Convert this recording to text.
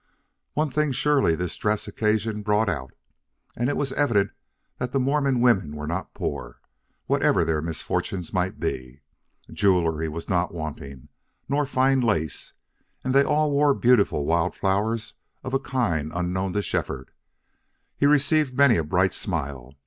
One thing surely this dress occasion brought out, and it was evidence that the Mormon women were not poor, whatever their misfortunes might be. Jewelry was not wanting, nor fine lace. And they all wore beautiful wild flowers of a kind unknown to Shefford. He received many a bright smile.